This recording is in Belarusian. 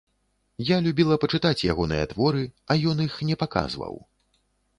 Я любіла пачытаць ягоныя творы, а ён іх не паказваў.